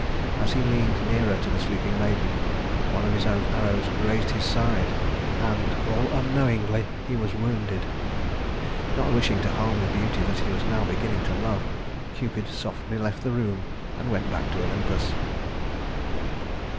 As he leaned nearer to the sleeping maiden one of his own arrows grazed his side, and all unknowingly he was wounded. Not wishing to harm the beauty that he was now beginning to love, Cupid softly left the room and went back to Olympus.